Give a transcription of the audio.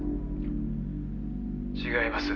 「違います」